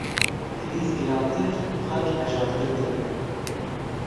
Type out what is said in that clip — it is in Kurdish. Krîz girantir û xelk hejartir dibe.